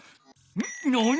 なに！？